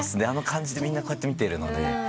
あの感じでみんなこうやって見てるので。